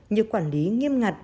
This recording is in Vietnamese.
nhiều quản lý nghiêm ngặt